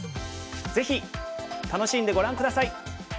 ぜひ楽しんでご覧下さい。